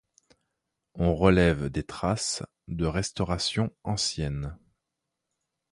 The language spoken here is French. On relève des traces de restaurations anciennes.